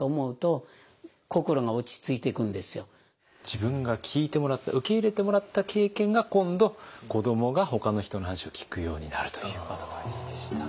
自分が聞いてもらった受け入れてもらった経験が今度子どもがほかの人の話を聞くようになるというアドバイスでした。